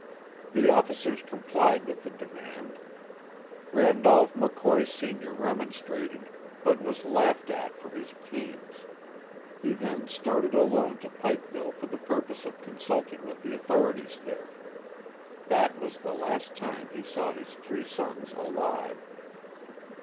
The officers complied with the demand. Randolph McCoy, Sr., remonstrated, but was laughed at for his pains. He then started alone to Pikeville for the purpose of consulting with the authorities there. That was the last time he saw his three sons alive.